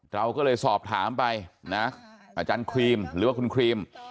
เราก็เลยสอบถามไปนะอาจารย์ครีมหรือว่าคุณครีม